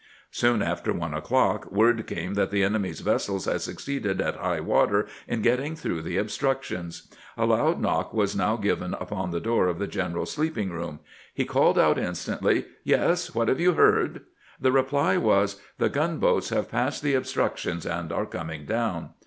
Soon after one o'clock word came that the enemy's vessels had succeeded at high water in getting through the obstructions. A loud knock was now given upon the door of the general's sleeping room. He called out instantly :" Yes. What have you heard ?" The reply was :" The gunboats have passed the obstructions, and are coming down."